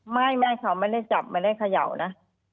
ไม่แม่เขาไม่ได้จับไม่ได้เขย่านะ